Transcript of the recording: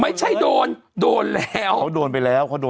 เป็นการกระตุ้นการไหลเวียนของเลือด